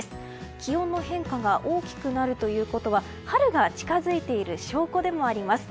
気温の変化が大きくなるということは春が近づいている証拠でもあります。